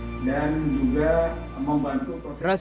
dan juga membantu proses